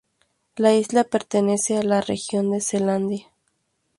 La isla pertenece a la región de Selandia.